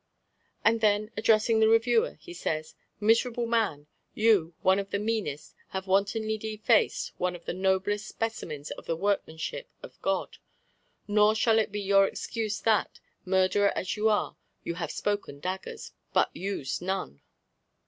And then addressing the reviewer he says: "Miserable man! you, one of the meanest, have wantonly defaced one of the noblest specimens of the workmanship of God. Nor shall it be your excuse that, murderer as you are, you have spoken daggers, but used none."